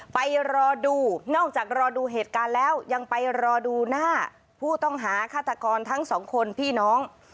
ไปรอดูนอกจากรอดูเหตุการณ์แล้วยังไปรอดูหน้าผู้ต้องหาฆาตกรทั้งสองคนพี่น้อง